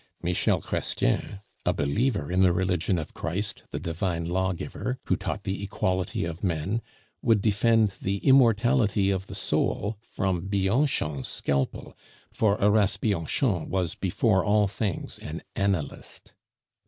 Michel Chrestien, a believer in the religion of Christ, the divine lawgiver, who taught the equality of men, would defend the immortality of the soul from Bianchon's scalpel, for Horace Bianchon was before all things an analyst.